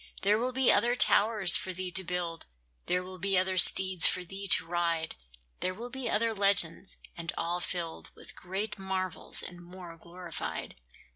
There will be other towers for thee to build; There will be other steeds for thee to ride; There will be other legends, and all filled With greater marvels and more glorified.